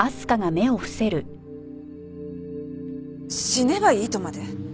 死ねばいいとまで！？